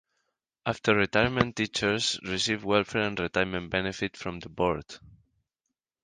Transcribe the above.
After retirement teachers receive welfare and retirement benefit from the board.